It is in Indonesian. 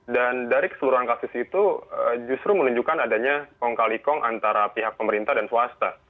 dan dari keseluruhan kasus itu justru menunjukkan adanya kong kali kong antara pihak pemerintah dan swasta